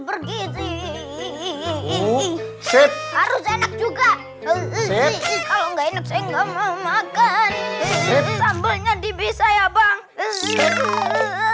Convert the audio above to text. bergizi harus enak juga kalau nggak enak saya nggak mau makan sambalnya di bisa ya bang